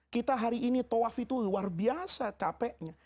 kita hari ini tawaf itu luar biasa capeknya